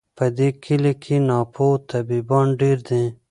په دې کلي کي ناپوه طبیبان ډیر دي